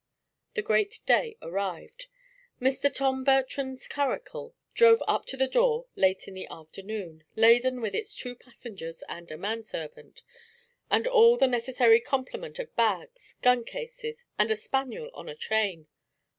The great day arrived, and Mr. Tom Bertram's curricle drove up to the door late in the afternoon, laden with its two passengers and a manservant, and all the necessary complement of bags, gun cases and a spaniel on a chain.